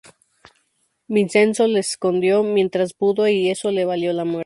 Vincenzo les escondió mientras pudo y eso le valió la muerte.